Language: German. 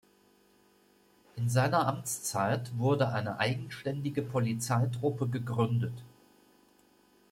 In seiner Amtszeit wurde eine eigenständige Polizeitruppe gegründet.